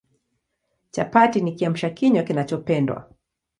Chapati ni Kiamsha kinywa kinachopendwa